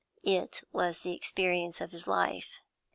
It was the experience of his life.